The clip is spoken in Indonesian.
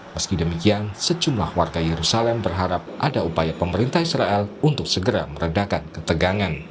meski demikian sejumlah warga yerusalem berharap ada upaya pemerintah israel untuk segera meredakan ketegangan